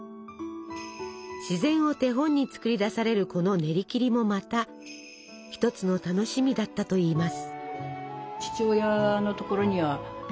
自然を手本に作り出されるこのねりきりもまた一つの楽しみだったといいます。